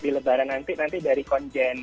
di lebaran nanti nanti dari konjen